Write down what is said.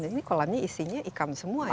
ini kolamnya isinya ikan semua ya